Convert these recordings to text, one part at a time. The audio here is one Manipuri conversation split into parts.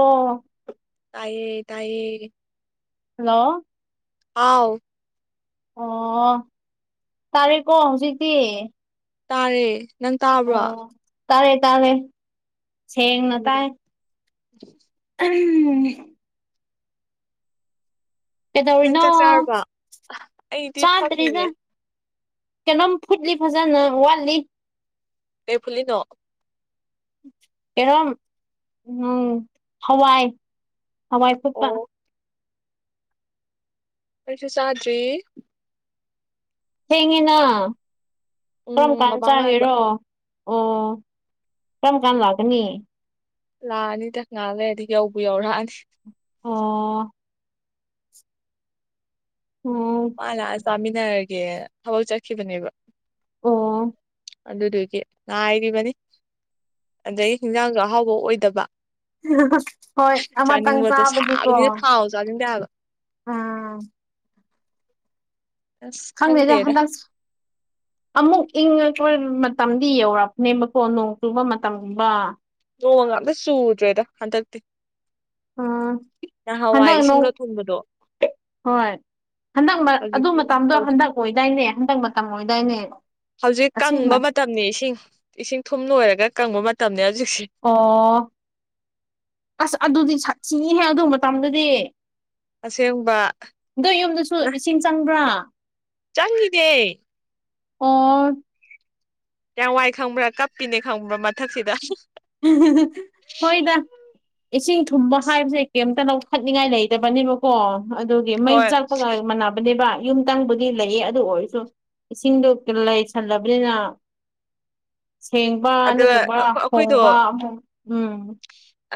ꯑꯣ ꯇꯥꯏꯌꯦ ꯇꯌꯦ ꯍꯜꯂꯣ ꯑꯥꯎ ꯑꯣ ꯇꯥꯔꯦꯀꯣ ꯍꯧꯖꯤꯛꯇꯤ ꯇꯥꯔꯦ ꯅꯪ ꯇꯥꯕ꯭ꯔꯣ ꯑꯣ ꯇꯥꯔꯦ ꯇꯥꯔꯦ ꯁꯦꯡꯅ ꯇꯥꯏ ꯎꯝ ꯎꯝ ꯅꯪ ꯀꯩꯗꯧꯔꯤꯅꯣ ꯆꯥꯛ ꯆꯥꯔꯕ ꯑꯩꯗꯤ ꯆꯥꯗ꯭ꯔꯤꯅ ꯐꯝꯃꯤꯌꯦ ꯀꯩꯅꯣꯝ ꯐꯨꯠꯂꯤ ꯐꯖꯅ ꯋꯥꯠꯂꯤ ꯀ ꯐꯂꯤꯅꯣ ꯑꯦꯔꯣꯝ ꯎꯝ ꯍꯋꯥꯏ ꯍꯥꯏ ꯁꯅ ꯑꯣ ꯑꯩꯁꯨ ꯁꯥꯗ꯭ꯔꯤ ꯊꯦꯡꯉꯤꯅ ꯀꯔꯝ ꯎꯝ ꯀꯥꯟꯗ ꯕꯕꯥ ꯉꯥꯏꯕ ꯆꯥꯒꯔꯣ ꯑꯣ ꯀꯔꯝ ꯀꯥꯟ ꯂꯥꯛꯀꯅꯤ ꯂꯥꯛꯑꯅꯤꯗ ꯉꯥꯛꯂꯗꯤ ꯌꯧꯕ ꯌꯧꯔꯛꯑꯅꯤ ꯑꯣ ꯎꯝ ꯆꯥꯃꯤꯟꯅꯔꯒꯦ ꯊꯕꯛ ꯆꯠꯈꯤꯕꯅꯦꯕ ꯑꯣ ꯑꯗꯨꯗꯨꯒꯤ ꯉꯥꯏꯔꯤꯕꯅꯤ ꯑꯗꯒꯤ ꯍꯤꯟꯖꯥꯡꯗꯣ ꯑꯍꯥꯎꯕ ꯑꯣꯏꯗꯕ ꯍꯣꯏ ꯑꯃꯇꯪ ꯆꯥꯅꯤꯡꯕꯗꯣ ꯆꯥꯕꯗꯤꯀꯣ ꯁꯥꯕꯅꯤꯅ ꯊꯥꯎ ꯆꯥꯅꯤꯡꯗꯦ ꯍꯥꯏꯕ ꯎꯝ ꯑꯁ ꯈꯪꯉꯦꯗ ꯈꯪꯗꯦꯗ ꯍꯟꯗꯛ ꯑꯃꯨꯛ ꯏꯪꯉ ꯑꯩꯈꯣꯏ ꯃꯇꯝꯗꯤ ꯌꯧꯔꯄꯅꯦꯕꯀꯣ ꯅꯣꯡ ꯆꯨꯕ ꯃꯇꯝꯒꯨꯝꯕ ꯅꯣꯡꯃ ꯉꯥꯛꯇ ꯆꯨꯗ꯭ꯔꯦꯗ ꯍꯟꯗꯛꯇꯤ ꯑ ꯅꯍꯥꯟꯋꯥꯏ ꯍꯅꯅꯣ ꯏꯁꯤꯡꯒ ꯊꯨꯝꯕꯗꯣ ꯍꯣꯏ ꯍꯟꯗꯛ ꯑꯗꯨ ꯍꯧꯖꯤꯛꯇꯤ ꯃꯇꯝꯗꯣ ꯇꯧ ꯍꯟꯗꯛ ꯑꯣꯏꯗꯥꯏꯅꯦ ꯍꯟꯗꯛ ꯃꯇꯝ ꯃꯣꯏꯗꯥꯥꯏꯅꯦ ꯍꯧꯖꯤꯛ ꯀꯪꯕ ꯃꯇꯝꯅꯤ ꯏꯁꯤꯡ ꯏꯁꯤꯡ ꯊꯨꯝ ꯂꯣꯏꯔꯒ ꯀꯪꯕ ꯃꯇꯝꯅꯤ ꯍꯧꯖꯤꯛ ꯑꯣ ꯑꯁ ꯑꯗꯨꯗꯤꯠ ꯁꯤꯁꯤꯡꯉꯤꯍꯦꯛ ꯑꯗꯨ ꯃꯇꯝꯗꯗꯤ ꯑꯁꯦꯡꯕ ꯑꯗꯣ ꯌꯨꯝꯗꯁꯨ ꯏꯁꯤꯡ ꯆꯪꯕ꯭ꯔꯥ ꯆꯪꯅꯦ ꯑꯣ ꯇꯋꯥꯏ ꯈꯪꯕ꯭ꯔꯥ ꯀꯞꯄꯤꯅꯦ ꯈꯪꯕ꯭ꯔꯥ ꯃꯊꯛꯁꯤꯗ ꯍꯣꯏꯗ ꯏꯁꯤꯡ ꯊꯨꯝꯕ ꯑꯁ ꯍꯥꯏꯕꯁꯦ ꯀꯩꯝꯇ ꯂꯧ ꯄꯥꯈꯠꯅꯤꯡꯉꯥꯏ ꯂꯩꯇꯕꯅꯦꯕꯀꯣ ꯑꯗꯨꯒꯤ ꯃꯩ ꯍꯣꯏ ꯆꯥꯛꯄꯒ ꯃꯥꯟꯅꯕꯅꯦꯕ ꯌꯨꯝ ꯇꯪꯕꯨꯗꯤ ꯂꯩꯌꯦ ꯑꯗꯨ ꯑꯣꯏꯔꯁꯨ ꯏꯁꯤꯡꯗꯣ ꯂꯩꯁꯜꯂꯕꯅꯤꯅ ꯁꯦꯡꯕ ꯑꯗꯨꯒ ꯅꯠꯇ꯭ꯔꯒ ꯑꯩꯈꯣꯏꯗꯣ ꯍꯣꯡꯕ ꯑꯃꯨꯛ ꯎꯝ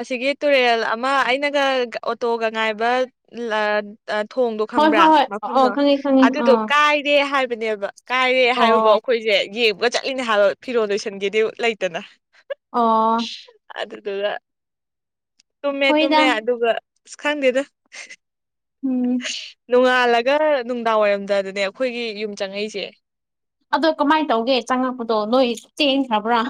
ꯑꯁꯤꯒꯤ ꯇꯨꯔꯦꯜ ꯑꯃ ꯑꯩꯅꯒ ꯑꯣꯇꯣꯒ ꯉꯥꯏꯕ ꯊꯣꯡꯗꯣ ꯍꯣꯏ ꯈꯪꯕ꯭ꯔꯥ ꯍꯣꯏ ꯍꯣꯏ ꯑꯣ ꯃꯐꯝꯗꯣ ꯈꯪꯉꯦ ꯈꯪꯉꯦ ꯑꯗꯨꯗꯣ ꯑꯥ ꯀꯥꯏꯔꯦ ꯍꯥꯏꯕꯅꯦꯕ ꯀꯥꯏꯔꯦ ꯍꯥꯏꯕꯐꯥꯎ ꯑꯣ ꯑꯩꯈꯣꯏꯁꯦ ꯌꯦꯡꯕꯒ ꯆꯠꯂꯤꯅꯦ ꯍꯥꯏꯕ ꯐꯤꯔꯣꯜ ꯂꯣꯏꯁꯟꯒꯦꯗꯤ ꯂꯩꯇꯅ ꯑꯣ ꯑꯗꯨꯗꯨꯒ ꯇꯨꯝꯃꯦ ꯍꯣꯏꯗ ꯇꯨꯝꯃꯦ ꯑꯗꯨꯒ ꯑ ꯈꯪꯗꯦꯗꯣ ꯎꯝ ꯆꯜꯂꯒ ꯅꯨꯡꯗꯥꯡ ꯋꯥꯏꯔꯝꯗꯗꯅꯦ ꯑꯩꯈꯣꯏꯒꯤ ꯌꯨꯝ ꯆꯪꯉꯛꯁꯦ ꯑꯗꯣ ꯀꯃꯥꯏꯅ ꯇꯧꯒꯦ ꯆꯪꯉꯛꯄꯗꯣ ꯅꯣꯏ ꯆꯦꯟꯈ꯭ꯔꯕ꯭ꯔꯥ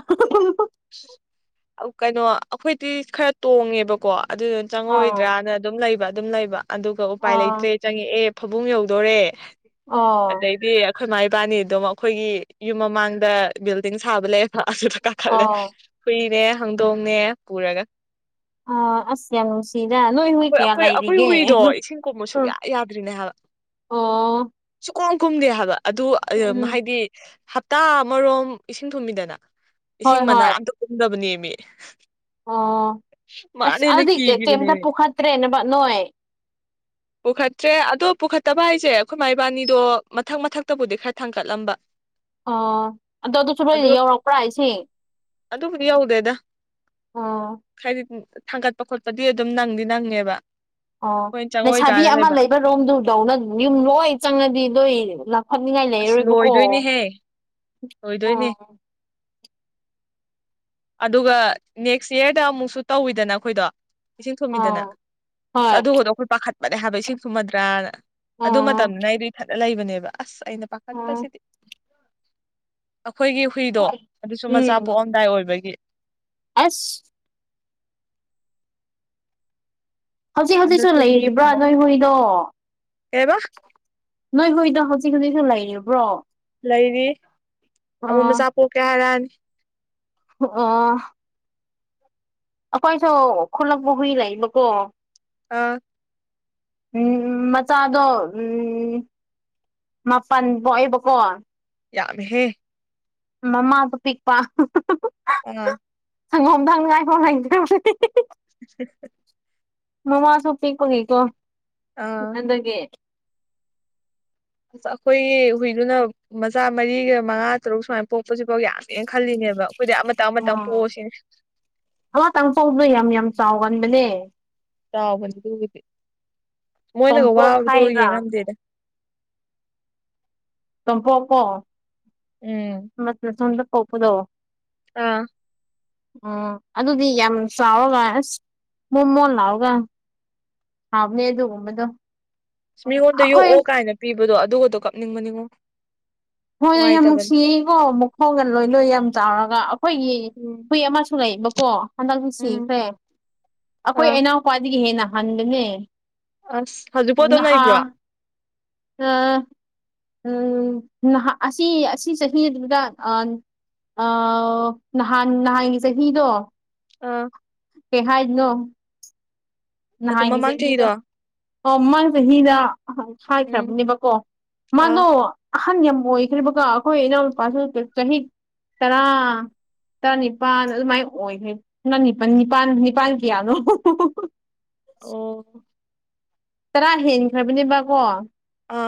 ꯀꯩꯅꯣ ꯑꯩꯈꯣꯏꯗꯤ ꯈꯔ ꯇꯣꯡꯉꯦꯕꯀꯣ ꯑꯗꯨꯗꯨ ꯑꯥꯎ ꯆꯪꯉꯣꯏꯗ꯭ꯔꯅ ꯑꯗꯨꯝ ꯂꯩꯕ ꯑꯗꯨꯝ ꯂꯩꯕ ꯑꯗꯨꯒ ꯎꯄꯥꯏ ꯑꯥ ꯂꯩꯇ꯭ꯔꯦ ꯆꯪꯉꯛꯑꯦ ꯐꯕꯨꯡ ꯌꯧꯗꯣꯔꯦ ꯑ ꯑꯗꯩꯗꯤ ꯑꯩꯈꯣꯏ ꯏꯃꯥ ꯏꯕꯥꯅꯤ ꯑꯗꯨꯝ ꯑꯩꯈꯣꯏꯒꯤ ꯌꯨꯝ ꯃꯃꯥꯡꯗ ꯕꯤꯜꯗꯤꯡ ꯁꯥꯕ ꯂꯩꯌꯦꯦꯕ ꯑꯗꯨꯗ ꯀꯥꯈꯠꯂꯦ ꯑꯣ ꯍꯨꯏꯅꯦ ꯍꯧꯪꯗꯣꯡꯅꯦ ꯄꯨꯔꯒ [unintelligible] ꯑ ꯑꯁ ꯌꯥꯝ ꯅꯨꯡꯁꯤꯗ ꯅꯣꯏ ꯍꯨꯏ ꯑꯩꯈꯣꯏ ꯀꯌꯥ ꯑꯩꯈꯣꯏ ꯑꯩꯈꯣꯏ ꯂꯩꯔꯤꯒꯦ ꯍꯨꯏꯗꯣ ꯏꯁꯤꯡ ꯀꯨꯝꯕ ꯎ ꯁꯨꯡꯌꯥ ꯌꯥꯗ꯭ꯔꯤꯅꯦ ꯑꯣ ꯀꯣꯝ ꯀꯨꯝꯗꯦ ꯍꯥꯏꯕ ꯑꯗꯨ ꯎꯝ ꯍꯥꯏꯗꯤ ꯍꯞꯇꯥ ꯑꯃꯣꯝ ꯏꯁꯤꯡ ꯊꯨꯝꯕꯤꯗꯅ ꯍꯣꯏ ꯏꯁꯤꯡ ꯃꯅꯥ ꯍꯣꯏ ꯑꯇ ꯀꯨꯝꯗꯕꯅꯦ ꯃꯤ ꯑꯣ ꯑꯁ ꯑꯗꯨꯗꯤ ꯀꯩꯝꯇ ꯀꯤꯈꯤꯕꯅꯦꯃꯤ ꯄꯨꯈꯠꯇ꯭ꯔꯦꯅꯦꯕ ꯅꯣꯏ ꯄꯨꯈꯠꯇ꯭ꯔꯦ ꯑꯗꯣ ꯄꯨꯈꯠꯇꯕ ꯍꯥꯏꯁꯦ ꯑꯩꯈꯣꯏ ꯃꯥ ꯏꯕꯥꯅꯤꯗꯣ ꯃꯊꯛ ꯃꯊꯛꯇꯕꯨꯗꯤ ꯈꯔ ꯊꯥꯡꯀꯠꯂꯝꯕ ꯑꯣ ꯑꯗꯣ ꯑꯗꯨꯁꯨ ꯃꯣꯏ ꯑꯗꯨꯒ ꯌꯧꯔꯛꯄ꯭ꯔꯥ ꯍꯥꯏꯁꯦ ꯑꯗꯨꯕꯨꯗꯤ ꯌꯧꯗꯦꯗ ꯍꯥꯏꯗꯤ ꯊꯥꯡꯒꯠꯄ ꯈꯣꯠꯄꯗꯤ ꯑꯗꯨꯝ ꯅꯪꯗꯤ ꯅꯪꯉꯦꯕ ꯑꯣ ꯑꯩꯈꯣꯏꯅ ꯂꯩꯁꯥꯕꯤ ꯆꯪꯉꯣꯏꯗ꯭ꯔꯥꯅ ꯑꯃ ꯂꯩꯕ ꯔꯣꯝꯗꯨꯗꯧꯅ ꯌꯨꯝ ꯂꯣꯏ ꯆꯪꯉꯗꯤ ꯂꯣꯏ ꯑꯁ ꯂꯣꯏꯗꯣꯏꯅꯦꯍꯦ ꯂꯣꯏꯗꯣꯏꯅꯦ ꯑꯥ ꯑꯗꯨꯒ ꯅꯦꯛꯁ ꯌꯌꯥꯔꯗ ꯑꯃꯨꯛꯁꯨ ꯇꯧꯋꯤꯗꯅ ꯑꯩꯈꯣꯏꯗꯣ ꯏꯁꯤꯡ ꯊꯨꯝꯃꯤꯗꯅ ꯑꯥ ꯑ ꯍꯣꯏ ꯑꯗꯨꯕꯨꯗꯣ ꯑꯩꯈꯣꯏ ꯄꯥꯈꯠꯄꯅꯦ ꯍꯥꯏꯕ ꯏꯁꯤꯡ ꯊꯨꯝꯃꯗ꯭ꯔꯥꯅ ꯑꯗꯨ ꯑꯥ ꯃꯇꯝꯅ ꯑꯩꯗꯤ ꯏ ꯊꯠꯅ ꯂꯩꯕꯅꯦꯕ ꯑꯁ ꯑꯩꯅ ꯎꯝ ꯄꯥꯈꯠꯄꯁꯤꯗꯤ ꯑꯩꯈꯣꯏꯒꯤ ꯍꯨꯏꯗꯣ ꯍꯣꯏ ꯑꯗꯨꯁꯨ ꯃꯆꯥ ꯎꯝ ꯄꯣꯛꯑꯝꯗꯥꯏ ꯑꯣꯏꯕꯒꯤ ꯑꯁ ꯍꯧꯖꯤꯛ ꯑꯗꯨ ꯍꯧꯖꯤꯛꯁꯨ ꯂꯩꯔꯤꯕ꯭ꯔꯥ ꯅꯣꯏ ꯍꯣꯏꯗꯣ ꯑꯦꯕ ꯅꯣꯏ ꯍꯣꯏꯗ ꯍꯧꯖꯤꯛ ꯍꯧꯖꯤꯛꯁꯨ ꯂꯩꯔꯤꯕ꯭ꯔꯣ ꯂꯩꯔꯤ ꯑꯃꯨꯛ ꯃꯆꯥ ꯄꯣꯛꯀꯦ ꯍꯥꯏꯔꯛꯅꯤ ꯑꯣ ꯑꯩꯈꯣꯏꯁꯨ ꯈꯨꯂꯛꯄ ꯍꯨꯏ ꯂꯩꯏꯕꯀꯣ ꯑꯥ ꯎꯝ ꯃꯆꯥꯗꯣ ꯎꯝ ꯃꯄꯜ ꯄꯣꯛꯏꯕꯀꯣ ꯌꯥꯝꯃꯦꯍꯦ ꯃꯃ ꯄꯄꯤꯤ ꯄꯥ ꯎ ꯁꯪꯒꯣꯝꯗꯪ ꯅꯨꯡꯉꯥꯏꯐꯥꯎ ꯂꯩꯒꯗꯧꯔꯗꯤ [unintelligible] ꯃꯃꯥꯁꯨ ꯄꯤꯛꯄꯒꯤꯀꯣ ꯑꯥ ꯑꯗꯒꯤ ꯑ ꯑꯩꯈꯣꯏꯒꯤ ꯍꯨꯏꯗꯨꯅ ꯃꯆꯥ ꯃꯔꯤꯒ ꯃꯉꯥ ꯇꯔꯨꯛ ꯁꯨꯃꯥꯏꯅ ꯄꯣꯛ ꯄꯁꯤꯛꯐꯥꯎ ꯌꯥꯝ ꯌꯦꯅ ꯈꯜꯂꯤꯅꯦꯕ ꯑꯩꯈꯣꯏꯗꯤ ꯑꯃꯇꯪ ꯑꯃꯇꯪ ꯄꯣꯛꯑꯁꯤꯅꯦ ꯍ ꯇꯪ ꯐꯥꯎꯗ ꯌꯥꯝ ꯌꯥꯝ ꯆꯥꯎꯒꯟꯕꯅꯦ ꯆꯥꯎꯕꯅꯦ ꯑꯗꯨꯕꯨꯗꯤ ꯃꯣꯏꯅꯒ ꯇꯣꯝꯄꯣꯛ ꯋꯥꯕꯗꯣ ꯍꯥꯏꯗ꯭ꯔꯥ ꯌꯦꯡꯉꯝꯗꯦꯗ ꯇꯝ ꯄꯣꯄꯣ ꯎꯝ ꯃ ꯁꯗ ꯄꯣꯄꯗꯣ ꯑꯥ ꯎꯝ ꯑꯗꯨꯗꯤ ꯌꯥꯝ ꯆꯥꯎꯔꯒ ꯑꯁ ꯃꯣ ꯃꯣꯟ ꯂꯥꯛꯒ ꯍꯥꯥꯎ ꯃꯗꯨ ꯃꯗꯨ ꯃꯤꯉꯣꯟꯗ ꯌꯣꯛꯑꯣ ꯀꯥꯏꯅ ꯄꯤꯕꯗꯣ ꯑꯗꯨꯒꯗꯣ ꯀꯞꯅꯤꯡꯕꯅꯤꯉꯣ ꯍꯣꯏ ꯍꯣꯏ ꯌꯥꯝ ꯅꯨꯡꯉꯥꯏꯇꯕꯅꯤ ꯅꯨꯡꯁꯤꯉꯀꯣ ꯃꯈꯣꯡꯒ ꯂꯣꯏ ꯂꯣꯏ ꯌꯥꯝ ꯆꯥꯎꯔꯒ ꯑꯩꯈꯣꯏꯒꯤ ꯎꯝ ꯍꯨꯏ ꯑꯃꯁꯨ ꯂꯩꯕꯀꯣ ꯎꯝ ꯍꯟꯗꯛꯁꯤꯁꯦ ꯑꯩꯈꯣꯏ ꯑꯥ ꯏꯅꯥꯎ ꯈ꯭ꯋꯥꯏꯗꯒꯤ ꯍꯦꯟꯅ ꯍꯟꯒꯅꯤ ꯑꯁ ꯍꯧꯖꯤꯛꯄꯣꯠ ꯑꯗꯨꯝ ꯂꯩꯕ꯭ꯔꯣ ꯑꯥ ꯎꯝ ꯅꯍ ꯑꯁꯤ ꯑꯁꯤ ꯆꯍꯤꯗꯨꯗ ꯑ ꯅꯍꯥꯟ ꯅꯍꯥꯟꯒꯤ ꯆꯍꯤꯗꯣ ꯑꯥ ꯅ ꯃꯇꯝ ꯃꯃꯥꯡ ꯅꯍꯥꯏꯅꯤꯁꯦꯅꯤꯗ ꯆꯍꯤꯗꯣ ꯑꯣ ꯃꯥꯡ ꯆꯍꯤꯗ ꯎꯝ ꯍꯥꯏꯈ꯭ꯔꯕꯅꯦꯕꯀꯣ ꯑꯥ ꯃꯥꯅꯣ ꯑꯍꯟ ꯌꯥꯝ ꯑꯣꯏꯈ꯭ꯔꯦꯔꯤꯕꯀꯣ ꯑꯩꯈꯣꯏ ꯏꯅꯥꯎꯅꯨꯄꯥꯁꯨ ꯆꯍꯤ ꯇꯔꯥ ꯇꯔꯥꯅꯤꯄꯥꯜ ꯑꯗꯨꯃꯥꯏꯅ ꯑꯣꯏꯈ꯭ꯔꯦ ꯄ ꯅꯤꯄꯥꯜ ꯅꯤꯄꯥꯜ ꯅꯤꯄꯥꯜ ꯀꯌꯥꯅꯣ ꯑꯣ ꯇꯔꯥ ꯍꯦꯟꯈ꯭ꯔꯕꯅꯦꯕꯀꯣ ꯑ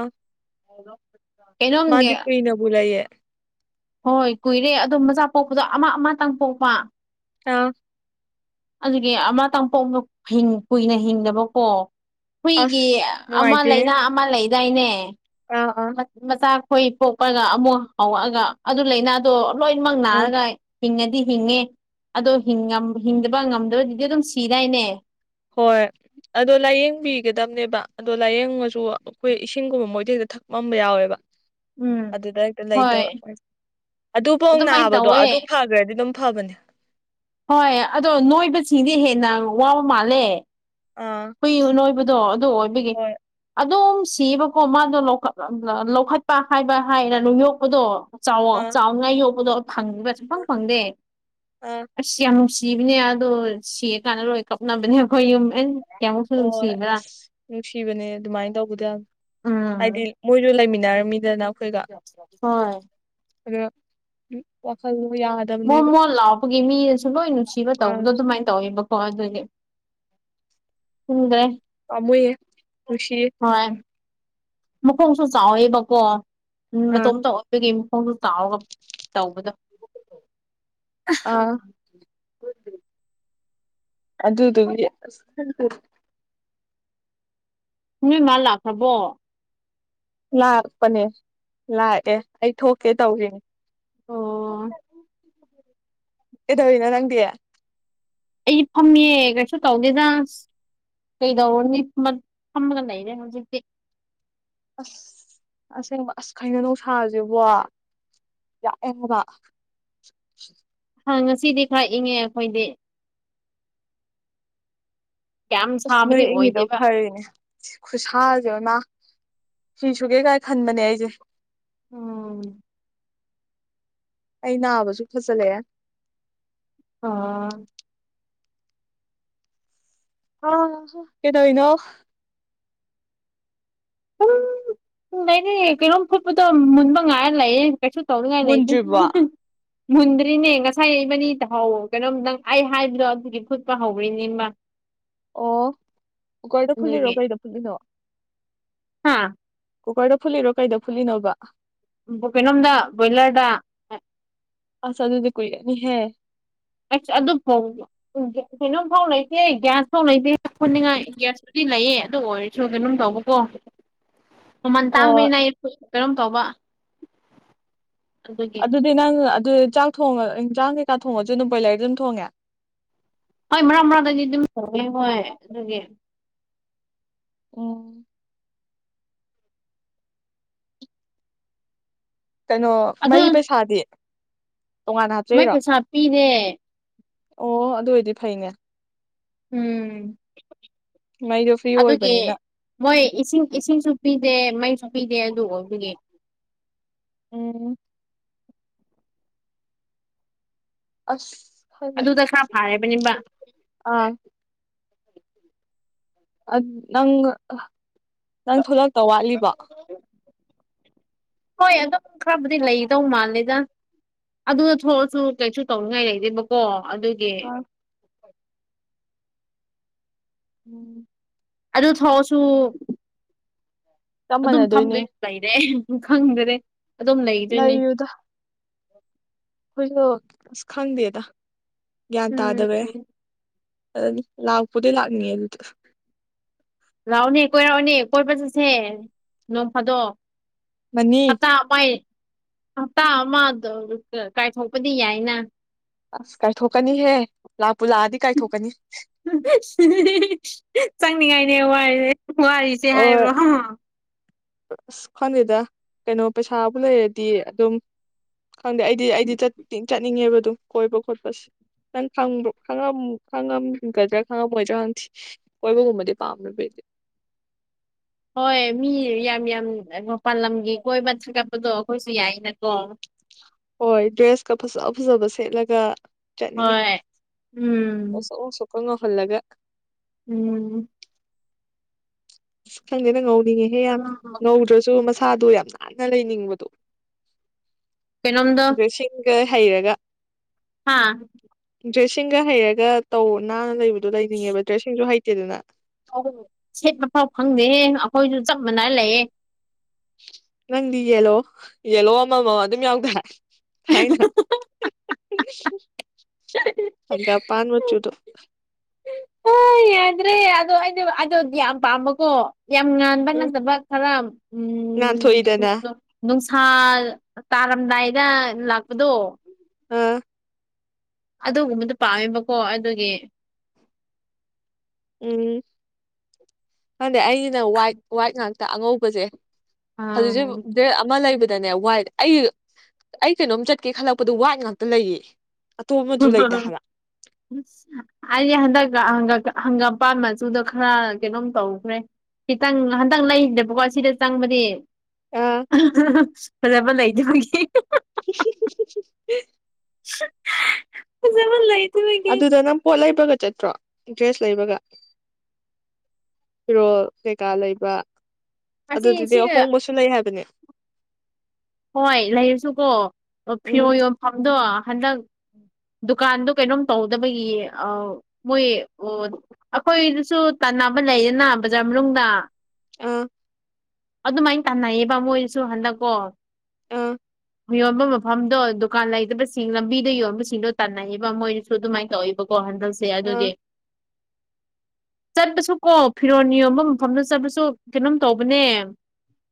ꯀꯩꯅꯣꯝꯒꯤ ꯃꯥꯗꯤꯄ ꯏꯅꯣꯕꯨꯂꯏꯌꯦ ꯍꯣꯏ ꯀꯨꯏꯔꯦ ꯑꯗꯨꯣ ꯃꯆꯥ ꯄꯣꯛꯄꯗꯣ ꯑꯃ ꯑꯃꯇꯪ ꯄꯣꯛꯄ ꯑꯥ ꯑꯗꯨꯒꯤ ꯑꯃ ꯇꯥꯡꯄꯣꯛꯅ ꯀꯨꯏꯅ ꯍꯤꯡꯗꯕꯀꯣ ꯍꯨꯏꯒꯤ ꯑꯁ ꯑꯃ ꯅꯨꯡꯉꯥꯏꯇꯦ ꯂꯩꯅ ꯑꯃ ꯂꯩꯗꯥꯏꯅꯦ ꯑꯥ ꯑꯥ ꯃꯆꯥꯈꯣꯏ ꯄꯣꯛꯄꯒ ꯑꯃꯨꯛ ꯍꯥꯎꯔꯛꯑꯒ ꯑꯗꯨ ꯂꯥꯏꯅꯥꯗꯣ ꯂꯣ ꯏꯅꯃꯪꯅꯅꯥ ꯎꯝ ꯉꯥꯏ ꯍꯤꯡꯉꯗꯤ ꯍꯤꯡꯉꯦ ꯑꯗꯣ ꯍꯤꯡꯗꯕ ꯉꯝꯗꯕꯗꯨꯗꯤ ꯑꯗꯨꯝ ꯁꯤꯗꯥꯏꯅꯦ ꯍꯣꯏ ꯑꯗꯣ ꯂꯥꯏꯌꯦꯡꯕꯤꯒꯗꯕꯅꯦꯕ ꯑꯗꯣ ꯂꯥꯏꯌꯦꯡꯉꯁꯨ ꯑꯩꯈꯣꯏ ꯏꯁꯤꯡꯒꯨꯝꯕ ꯃꯣꯏꯊ ꯍꯦꯛꯇ ꯊꯛꯃꯝꯕ ꯌꯥꯎꯋꯦꯕ ꯎꯝ ꯑꯗꯨꯗ ꯍꯦꯛꯇ ꯍꯣꯏ ꯂꯩꯇꯕ ꯑꯗꯨꯐꯧ ꯑꯗꯨꯃꯥꯏꯅ ꯅꯥꯕꯗꯣ ꯇꯧꯋꯦ ꯑꯗꯨ ꯐꯈ꯭ꯔꯗꯤ ꯑꯗꯨꯝ ꯐꯥꯕꯅꯤ ꯍꯣꯏ ꯑꯗꯣ ꯅꯣꯏꯕꯁꯤꯡꯗꯤ ꯍꯦꯟꯅ ꯋꯥꯕ ꯃꯥꯜꯂꯦ ꯑꯥ ꯍꯨꯏ ꯅꯣꯏꯕꯗꯣ ꯑꯗꯨ ꯑꯣꯏꯕꯒꯤ ꯍꯣꯏ ꯑꯣꯝ ꯁꯤꯕꯀꯣ ꯃꯥꯗꯣ ꯂꯧꯈꯠꯄ ꯍꯥꯏꯕ ꯍꯥꯏꯅ ꯅꯨꯡ ꯌꯣꯛꯄꯗꯣ ꯆꯥꯎꯋ ꯑꯥ ꯆꯥꯎꯅꯉꯥꯏ ꯌꯣꯛꯄꯗꯣ ꯐꯪꯕꯁꯨꯐꯪ ꯐꯪꯗꯦ ꯑꯥ ꯑꯁ ꯌꯥꯝ ꯅꯨꯡꯁꯤ ꯖꯤꯕꯅꯦ ꯌꯥꯗꯣ ꯁꯤ ꯀꯥꯟꯅ ꯂꯣꯏ ꯀꯞꯅꯕꯅꯦꯈꯣꯏ ꯍ ꯑꯁ ꯅꯨꯡꯁꯤꯕꯅꯦ ꯑꯗꯨꯃꯥꯏꯅ ꯇꯧꯕꯗ ꯌꯥꯝ ꯍꯥꯏꯗꯤ ꯎꯝ ꯃꯣꯏꯁꯨ ꯂꯩꯃꯤꯟꯅꯔꯝꯃꯤꯗꯅ ꯑꯩꯈꯣꯏꯒ ꯍꯣꯏ ꯑ ꯎ ꯋꯥꯈꯜ ꯃ ꯃꯣꯠ ꯂꯥꯎꯕꯒꯤ ꯃꯤꯅꯁꯨ ꯂꯣꯏ ꯅꯨꯡꯁꯤꯕ ꯇꯧꯕꯗꯣ ꯑꯥ ꯑꯗꯨꯃꯥꯏꯅ ꯇꯧꯋꯦꯕꯀꯣ ꯑꯗꯨꯏꯅꯦ ꯍꯗꯦ ꯣꯏꯦ ꯈꯁꯤ ꯃꯈꯣꯡꯁꯨ ꯆꯥꯎꯋꯦꯕꯀꯣ ꯎ ꯑꯥ ꯃꯇꯣꯝꯇ ꯑꯣꯏꯕꯒꯤ ꯃꯈꯣꯡꯁꯨ ꯆꯥꯎꯔꯒ ꯇꯧꯕꯗꯣ ꯑꯗꯨ ꯑꯗꯨꯒꯤ ꯅꯣꯏ ꯃꯥꯥ ꯂꯥꯛꯈ꯭ꯔꯕꯣ ꯂꯥꯛꯄꯅꯦ ꯂꯥꯛꯑꯦ ꯑꯩ ꯊꯣꯛꯀꯦ ꯇꯧꯔꯤꯅꯦ ꯑꯣ ꯍ ꯑꯦꯗꯧꯅ ꯅꯪꯗꯌꯥ ꯑꯩꯁ ꯐꯝꯃꯦ ꯀꯩꯁꯨ ꯇꯧꯒꯦꯗꯥꯖꯁ ꯀꯩꯗꯎꯅꯤ ꯐꯝꯒ ꯂꯩꯅꯦꯦ ꯍꯧꯖꯤꯛꯁꯦ ꯑꯁ ꯑꯁꯦꯡꯕ ꯑꯁ ꯈꯩꯅ ꯅꯨꯡꯁꯁꯕ ꯌꯥ ꯑꯦ ꯑꯃꯨꯀꯥ ꯍꯥ ꯉꯁꯤꯗꯤ ꯈꯥꯛ ꯏꯉꯦ ꯑꯩꯈꯣꯏꯗꯤ ꯌꯥꯝ ꯑꯁ ꯅꯣꯏ ꯁꯥꯕꯗꯤ ꯏꯉꯤꯗꯣ ꯑꯣꯏꯗꯦꯕ ꯐꯔꯤꯅꯦ ꯈꯨꯁꯥꯁꯦ ꯃꯥ ꯁꯤ ꯁꯨꯒꯦ ꯀꯥꯏ ꯈꯟꯕꯅꯦ ꯑꯩꯁꯦ ꯎꯝ ꯑꯩ ꯅꯥꯕꯁꯨ ꯐꯖꯜꯂꯛꯑꯦ ꯑꯥ ꯑ ꯍ ꯀꯗꯣꯅ ꯎꯝ ꯑꯩꯅꯦ ꯀꯩꯅꯣꯝ ꯐꯨꯠꯄꯗꯣ ꯃꯨꯟꯕ ꯉꯥꯏꯔ ꯂꯩꯌꯦ ꯀꯩꯁꯨ ꯇꯧꯅꯤꯡꯉꯥꯏ ꯂꯩꯗꯦ ꯃꯨꯟꯗ꯭ꯔꯤꯕꯣ ꯃꯨꯟꯗ꯭ꯔꯤꯅꯦ ꯉꯁꯥꯏ ꯃꯅꯤꯗ ꯀꯩꯅꯣꯝ ꯅꯪ ꯑꯩ ꯍꯥꯏꯕꯗꯣ ꯑꯗꯨꯒꯤ ꯐꯨꯠꯄ ꯍꯧꯔꯤꯅꯤ ꯏꯃ ꯑꯣ ꯀꯔꯗ ꯐꯨꯜꯂꯤꯔꯣ ꯀꯔꯤꯗ ꯐꯨꯜꯂꯤꯅꯣ ꯍꯥꯥ ꯀꯨꯀꯔꯗ ꯐꯨꯜꯂꯤꯔꯣ ꯀꯩꯗ ꯐꯨꯜꯂꯤꯅꯣꯕ ꯀꯩꯅꯣꯝꯗ ꯕꯣꯏꯂꯔꯗ ꯑꯁ ꯑꯗꯨ ꯑꯗꯨꯗꯤ ꯀꯣꯏ ꯅꯤ ꯍꯥꯏ ꯑꯩꯁ ꯑꯗꯨ ꯐꯥꯎ ꯀꯩꯅꯣꯝꯐꯥꯎ ꯂꯩꯇꯦ ꯒ꯭ꯌꯥꯁ ꯐꯥꯎ ꯂꯩꯇꯦꯠꯅꯤꯡꯉꯥꯏꯌꯥꯁ ꯁꯤ ꯂꯩꯌꯦ ꯑꯗꯨ ꯑꯣꯏꯔꯁꯨ ꯀꯩꯅꯣꯝ ꯇꯧꯕꯀꯣ ꯃꯃꯟ ꯍꯣꯏ ꯇꯥꯡꯕꯩꯅ ꯀꯔꯝ ꯇꯧꯕ ꯑꯗꯨꯒꯤ ꯑꯗꯨꯗꯤ ꯅꯪ ꯑꯗꯨ ꯆꯥꯛ ꯊꯣꯡꯉ ꯏꯟ ꯆꯥꯡ ꯀꯩꯀꯥ ꯊꯣꯡꯉꯁꯨ ꯑꯗꯨꯝ ꯕ꯭ꯔꯣꯏꯂꯔꯗ ꯑꯗꯨꯝ ꯊꯣꯡꯉꯦ ꯍꯣꯏ ꯃꯔꯛ ꯃꯔꯥꯡꯗꯒꯤ ꯑꯗꯨꯝꯪꯑꯦ ꯍꯣꯏ ꯑꯗꯨꯒꯤ ꯑꯣ ꯀꯩꯅꯣ ꯃꯩ ꯄꯩꯁꯥꯗꯤ ꯇꯣꯉꯥꯟꯅ ꯃꯥꯏ ꯍꯥꯞꯆꯩꯔꯣ ꯄꯩꯁꯥ ꯄꯤꯔꯦ ꯑꯣ ꯑꯗꯨ ꯑꯣꯏꯗꯤ ꯐꯩꯅꯦ ꯎꯝ ꯃꯩꯗꯣ ꯐ꯭ꯔꯤ ꯑꯗꯨꯒꯤ ꯑꯣꯏꯕꯅꯤꯅ ꯃꯣꯏ ꯏꯁꯤꯡ ꯏꯁꯤꯡꯁꯨ ꯄꯤꯗꯦ ꯃꯩꯁꯨ ꯄꯤꯗꯦ ꯑꯗꯨ ꯑꯣꯏꯕꯒꯤ ꯎꯝ ꯑꯁ ꯑꯗꯨꯗ ꯈꯔ ꯐꯥꯔꯕꯅꯦꯕ [unintelligible] ꯑꯥ ꯅꯪ ꯅꯪ ꯊꯣꯂꯛꯇꯣ ꯋꯥꯠꯂꯤꯕꯣ ꯍꯣꯏ ꯑꯗꯨꯝ ꯈꯔꯕꯨꯗꯤ ꯂꯩꯗꯧ ꯃꯥꯂꯦꯗ ꯑꯗꯨꯗ ꯊꯣꯛꯂꯁꯨ ꯀꯩꯁꯨ ꯇꯧꯅꯤꯡꯉꯥꯏ ꯂꯩꯇꯦꯕꯀꯣ ꯑꯗꯨꯒꯤ ꯑ ꯎꯝ ꯑꯗꯨ ꯊꯣꯛꯑꯁꯨ ꯆꯞ ꯑꯗꯨꯝ ꯃꯥꯟꯅꯗꯣꯏꯅꯦ ꯐꯝꯗꯩ ꯂꯩꯔꯦ ꯎꯝ ꯈꯪꯗ꯭ꯔꯦ ꯑꯗꯨꯝ ꯂꯩꯗꯣꯏꯅꯦ ꯍꯣꯏꯁꯨꯣ ꯑꯁ ꯈꯪꯗꯦꯗ ꯒ꯭ꯌꯥꯟ ꯎꯝ ꯇꯥꯗꯕꯩ ꯑ ꯂꯥꯛꯄꯗꯤ ꯂꯥꯛꯅꯤꯡꯑ ꯑꯗꯨꯗ ꯂꯥꯛꯑꯣꯅꯦ ꯀꯣꯏꯔꯥꯛꯑꯣꯅꯦ ꯀꯣꯏꯄ ꯆꯠꯁꯦ ꯅꯣꯡ ꯐꯥꯗꯣꯛ ꯃꯅꯤ ꯍꯞꯇꯥ ꯑꯃꯥꯏ ꯍꯞꯇꯥ ꯑꯃ ꯀꯥꯏꯊꯣꯛꯄꯗꯤ ꯌꯥꯏꯅ ꯑꯁ ꯀꯥꯏ ꯊꯣꯛꯀꯅꯤ ꯍꯦ ꯂꯥꯛ [unintelligible] ꯆꯡꯅꯤ ꯉꯥꯏ [unintelligible] ꯋꯥꯔꯤꯁꯦ ꯍꯣꯏ ꯍꯥꯏꯕ꯭ꯔꯣ ꯑꯁ ꯈ꯭ꯪꯗꯦꯗ ꯀꯩꯅꯣ ꯄꯩꯁꯥꯕꯨ ꯂꯩꯔꯗꯤ ꯑꯗꯨꯝ ꯈꯪꯗꯦ ꯑꯩꯗꯤ ꯑꯩꯗꯤ ꯆꯠꯅꯤꯡꯉꯦꯕ ꯑꯗꯨ ꯀꯣꯏꯕ ꯈꯣꯠꯄꯁꯦ ꯅꯪ ꯈꯪꯕ꯭ꯔꯣ ꯈꯪꯉꯝ ꯈꯪꯉꯝꯒꯗ꯭ꯔꯥ ꯈꯪꯉꯝꯃꯣꯏꯗ꯭ꯔꯥ ꯀꯣꯏꯕꯒꯨꯝꯕꯗꯤ ꯄꯥꯝꯅꯕꯗꯤ ꯍꯣꯏ ꯃꯤ ꯌꯥꯝ ꯌꯥꯝ ꯃꯄꯥꯜ ꯂꯝꯒꯤ ꯀꯣꯏꯕ ꯊꯥꯒꯠꯄꯗꯣ ꯑꯩꯈꯣꯏꯁꯨ ꯌꯥꯏꯅꯀꯣ ꯍꯣꯏ ꯗ꯭ꯔꯦꯁꯀ ꯐꯖꯕ ꯐꯖꯕ ꯁꯦꯠꯂꯒ ꯆꯠꯅꯤꯡꯉꯤ ꯍꯣꯏ ꯎꯝ ꯉꯁꯣꯛ ꯉꯁꯣꯛꯀ ꯉꯧꯍꯜꯂꯒ ꯎꯝ ꯑꯁ ꯈꯪꯗꯦꯗ ꯉꯧꯅꯤꯡꯉꯦꯍꯦ ꯌꯥꯝ ꯉꯧꯗ꯭ꯔꯁꯨ ꯁꯥꯗꯣ ꯌꯥꯝ ꯅꯥꯟꯅ ꯂꯩꯅꯤꯡꯕꯗꯣ ꯀꯩꯅꯝꯗꯥ ꯗ꯭ꯔꯦꯁꯤꯡꯒ ꯍꯩꯔꯒ ꯍꯥꯥ ꯗ꯭ꯔꯦꯁꯁꯤꯡꯒ ꯍꯩꯔꯒ ꯇꯧ ꯅꯥꯟꯅ ꯂꯩꯕꯗꯣ ꯂꯩꯅꯤꯡꯉꯦꯕ ꯗ꯭ꯔꯦꯁꯁꯤꯡꯁꯨ ꯍꯩꯇꯦꯗꯅ ꯑ ꯁꯦꯠ ꯃꯐꯥꯎ ꯐꯪꯗꯦ ꯑꯩꯈꯣꯏꯁꯨ ꯆꯞ ꯃꯥꯟꯅ ꯂꯩꯌꯦ ꯅꯪꯗꯤ ꯌꯦꯜꯂꯣ ꯌꯦꯂꯣ ꯑꯃꯃ ꯑꯗꯨꯝ ꯌꯥꯎꯗ꯭ꯥꯏ [unintelligible] ꯍꯪꯒꯄꯥꯟ ꯃꯆꯨꯗ ꯑꯦ ꯑꯗꯣ ꯑꯩꯗ ꯑꯗꯣ ꯌꯥꯝ ꯄꯥꯝꯕꯀꯣ ꯌꯥꯝ ꯉꯥꯟꯕ ꯎꯝ ꯅꯠꯇꯕ ꯈꯔ ꯎꯝ ꯉꯥꯟꯊꯣꯛꯏꯗꯅ ꯊꯥ ꯇꯥꯔꯝꯗꯥꯏꯗ ꯂꯥꯛꯄꯗꯣ ꯑꯝ ꯑꯗꯨꯒꯨꯝꯕꯗꯨꯣ ꯄꯥꯝꯃꯦꯕꯀꯣ ꯑꯗꯨꯒꯤ ꯎꯝ ꯈꯪꯗꯦ ꯑꯩꯒꯤꯅ ꯋꯥꯏꯠ ꯋꯥꯏꯠ ꯉꯥꯛꯇ ꯑꯉꯧꯕꯁꯦ ꯍꯧꯖꯤꯛꯁꯨ ꯑꯥ ꯑꯃ ꯂꯩꯕ ꯗꯅꯦ ꯋꯥꯏꯠ ꯑꯩ ꯑꯩ ꯀꯩꯅꯣꯝ ꯆꯠꯀꯦ ꯈꯜꯂꯛꯄꯗꯣ ꯋꯥꯏꯠ ꯉꯥꯛꯇ ꯂꯩꯌꯦ ꯑꯇꯣꯞꯄ ꯃꯆꯨ ꯂꯩꯇꯦ ꯍꯥꯏꯕ ꯍꯗꯒ ꯍ ꯍꯪꯒꯥꯝꯄꯥꯥꯟ ꯃꯆꯨꯗ ꯈꯔ ꯀꯩꯅꯣꯝ ꯇꯧꯈ꯭ꯔꯦ ꯈꯤꯇꯪ ꯍꯟꯇꯪ ꯂꯩꯅꯦꯕꯀꯣ ꯁꯤꯗ ꯆꯪꯕꯗꯤ ꯑꯥ ꯐꯕ ꯂꯩ ꯆꯧꯕꯒ ꯁꯤꯁꯤꯁꯤꯁꯤ ꯖꯃꯣꯟ ꯂꯩꯥꯏ ꯑꯗꯨꯗ ꯅ ꯄꯣꯂ ꯏꯕ ꯆꯠꯇ꯭ꯔꯣ ꯏꯟꯇ꯭ꯔꯦꯁ ꯂꯩꯕꯒ ꯐꯤꯔꯣꯜ ꯀꯩꯀꯥ ꯂꯩꯕ ꯑꯗꯨ ꯑꯁꯤ ꯑꯗꯨꯗꯤ ꯁꯤ ꯑꯍꯣꯡꯕꯁꯨ ꯂꯩ ꯍꯥꯏꯕꯅꯦ ꯍꯣꯏ ꯂꯩꯔꯁꯨꯀꯣ ꯎꯝ ꯐꯤꯔꯣ ꯌꯣꯟꯐꯝꯗꯣ ꯍꯟꯗꯛ ꯗꯨꯀꯥꯟꯗꯣ ꯀꯩꯅꯣꯝ ꯇꯧꯗꯕꯒꯤ ꯃꯣꯏ ꯑꯩꯈꯣꯏꯗꯨꯁꯨ ꯇꯝ ꯑꯃ ꯂꯩꯗꯦꯅ ꯕꯖꯥꯔ ꯃꯅꯨꯡꯗ ꯑꯥ ꯑꯗꯨꯃꯥꯏꯅ ꯇꯥꯟꯅꯩꯌꯦꯕ ꯃꯣꯏꯁꯨ ꯍꯟꯗꯛꯀꯣ ꯑꯥ ꯌꯣꯟꯕ ꯃꯐꯝꯗꯣ ꯗꯨꯀꯥꯟ ꯂꯩꯇꯕꯁꯤꯡ ꯂꯝꯕꯤꯗ ꯌꯣꯟꯕꯁꯤꯡꯗꯣ ꯇꯥꯟꯅꯩꯕ ꯃꯣꯏꯅꯁꯨ ꯑꯗꯨꯃꯥꯏꯅ ꯇꯧꯏꯕꯀꯣ ꯍꯟꯗꯛ ꯁꯦ ꯑꯥ ꯑꯗꯨꯗꯤ ꯆꯠꯄꯁꯨ ꯀꯣ ꯐꯤꯔꯣ ꯌꯣꯟꯕ ꯃꯐꯝꯗ ꯆꯠꯄꯁꯨ ꯀꯩꯅꯣꯝ ꯇꯧꯕꯅꯦ